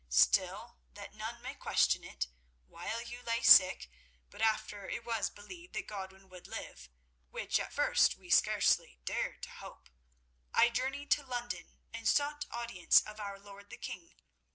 Still, that none may question it, while you lay sick, but after it was believed that Godwin would live, which at first we scarcely dared to hope, I journeyed to London and sought audience of our lord the king.